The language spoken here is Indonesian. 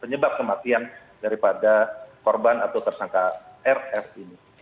penyebab kematian daripada korban atau tersangka rf ini